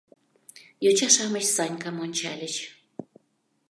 Йоча-шамыч Санькам ончальыч.